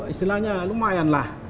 istilahnya lumayan lah